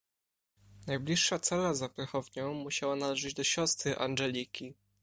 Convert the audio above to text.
"Najbliższa cela za prochownią musiała należeć do siostry Angeliki."